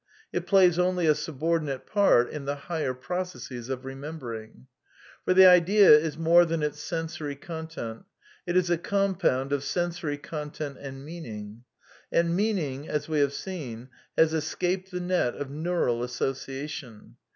It plays only a subordinate part in the higher processes of remembering." For the idea is more than its sensory content; it is a " compound of sensory content and meaning." And mean ing, as we have seen, has escaped the net of neural associa tion.